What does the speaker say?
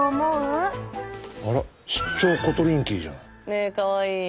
ねえかわいい。